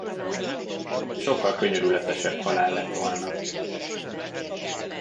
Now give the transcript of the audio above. Sokkal könyörületesebb halál lett volna.